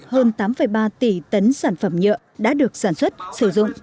hơn tám ba tỷ tấn sản phẩm nhựa đã được sản xuất sử dụng